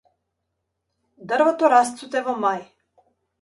Дрвото расцуте во мај.